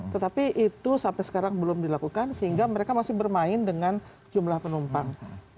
tetapi itu sampai sekarang belum dilakukan sehingga mereka masih bermain dengan jumlah penumpang